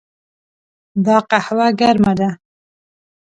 دا قهوه ګرمه ده.